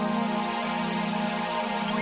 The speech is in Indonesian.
misalnya jantung gituhoe